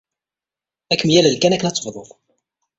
Ad kem-yalel kan akken ad tebdud.